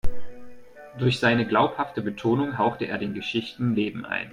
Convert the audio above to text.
Durch seine glaubhafte Betonung haucht er den Geschichten Leben ein.